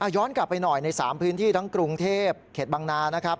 ย้อนกลับไปหน่อยใน๓พื้นที่ทั้งกรุงเทพเขตบางนานะครับ